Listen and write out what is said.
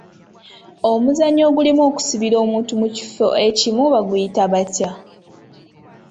Omuzannyo ogulimu okusibira omuntu mu kifo ekimu baguyita batya?